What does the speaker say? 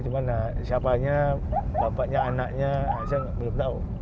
cuma siapanya bapaknya anaknya saya belum tahu